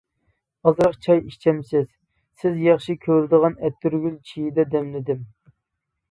-ئازراق چاي ئىچەمسىز، سىز ياخشى كۆرىدىغان ئەتىرگۈل چېيىدا دەملىدىم.